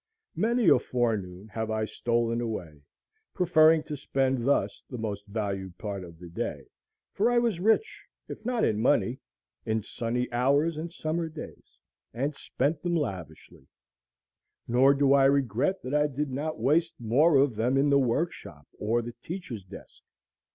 Many a forenoon have I stolen away, preferring to spend thus the most valued part of the day; for I was rich, if not in money, in sunny hours and summer days, and spent them lavishly; nor do I regret that I did not waste more of them in the workshop or the teacher's desk.